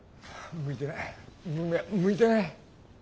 向いてない向いてない。